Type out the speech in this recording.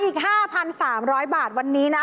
อีก๕๓๐๐บาทวันนี้นะ